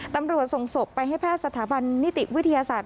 ตำรวจส่งศพไปให้แพทย์สถาบันนิติวิทยาศาสตร์